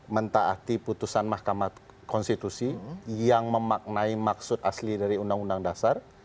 mentaati putusan mahkamah konstitusi yang memaknai maksud asli dari undang undang dasar